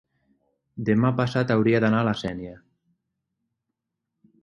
demà passat hauria d'anar a la Sénia.